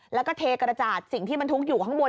แล้วก็เทกระจาดสิ่งที่บรรทุกอยู่ข้างบน